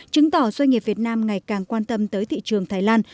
chứng tỏ doanh nghiệp việt nam ngày càng quan tâm tới thị trường thái lan